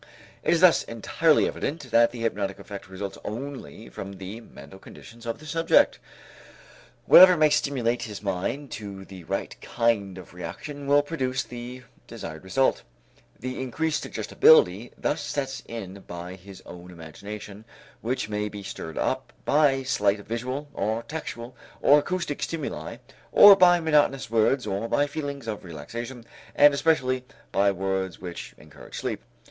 It is thus entirely evident that the hypnotic effect results only from the mental conditions of the subject. Whatever may stimulate his mind to the right kind of reaction will produce the desired result. The increased suggestibility thus sets in by his own imagination which may be stirred up by slight visual or tactual or acoustic stimuli or by monotonous words or by feelings of relaxation and especially by words which encourage sleep.